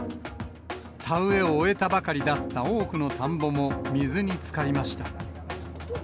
田植えを終えたばかりだった多くの田んぼも水につかりました。